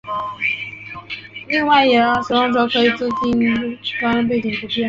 另外也让使用者可以自订动态砖的背景图片。